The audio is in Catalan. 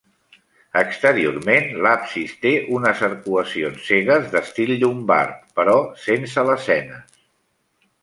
Exteriorment, l'absis té unes arcuacions cegues d'estil llombard, però sense lesenes.